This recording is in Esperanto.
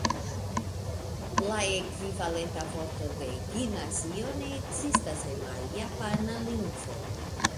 La ekvivalenta vorto de "gimnazio" ne ekzistas en la Japana lingvo.